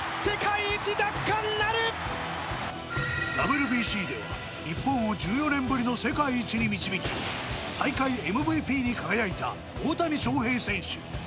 ＷＢＣでは日本を１４年ぶりの世界一に導き大会ＭＶＰに輝いた大谷翔平選手